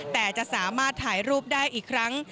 แต่จะสามารถถ่ายรูปได้อีกครั้ง